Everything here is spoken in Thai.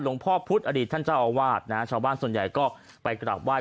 หลวงพ่อพุทธอดีตท่านเจ้าอวาสชาวบ้านส่วนใหญ่ก็ไปกลับไหว้